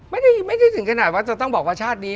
ไม่ได้ถึงขนาดว่าจะต้องบอกว่าชาตินี้